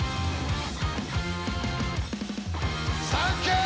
サンキュー！